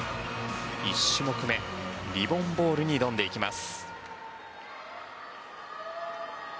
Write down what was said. １種目め、リボン・ボールに挑んでいきます。